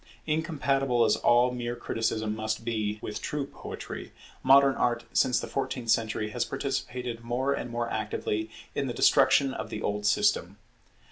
Incompatible as all mere criticism must be with true poetry, modern Art since the fourteenth century has participated more and more actively in the destruction of the old system.